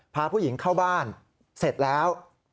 พาผู้หญิงเข้าบ้านเสร็จแล้ว